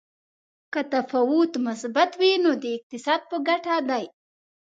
که تفاوت مثبت وي نو د اقتصاد په ګټه دی.